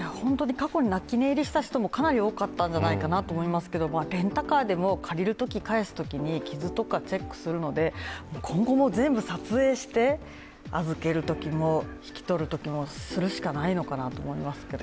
過去に泣き寝入りした人もかなり多かったんじゃないかなと思いますけどレンタカーでも借りるとき返すときに傷とかチェックするので、今後も全部撮影して預けるときも引き取るときもするしかないのかなと思いますけどね。